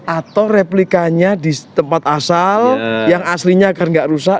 atau replikanya di tempat asal yang aslinya agar tidak rusak